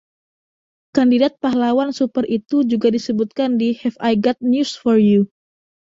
Kandidat pahlawan super itu juga disebutkan di "Have I Got News For You".